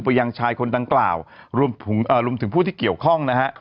ยังชายคนดังกล่าวรวมถึงผู้ที่เกี่ยวข้องนะฮะ